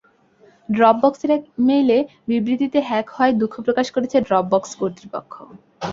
ড্রপবক্সের এক ইমেইল বিবৃবিতে হ্যাক হওয়ায় দুঃখ প্রকাশ করেছে ড্রপবক্স কর্তৃপক্ষ।